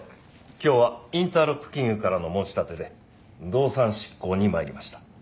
今日はインターロック金融からの申し立てで動産執行に参りました。